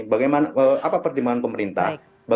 apa pertimbangan pemerintah